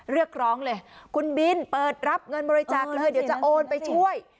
เรียกร้องเลยคุณบินเปิดรับเงินบริจาคเลยเดี๋ยวจะโอนไปช่วย